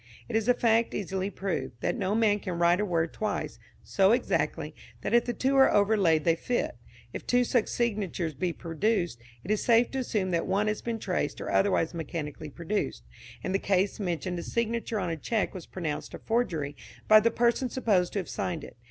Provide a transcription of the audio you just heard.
It is a fact easily proved, that no man can write a word twice, so exactly, that if the two are overlaid they fit. If two such signatures be produced, it is safe to assume that one has been traced or otherwise mechanically produced. In the case mentioned a signature on a cheque was pronounced a forgery by the person supposed to have signed it.